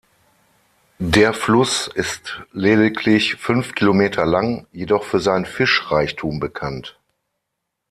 Der Fluss ist lediglich fünf Kilometer lang, jedoch für seinen Fischreichtum bekannt.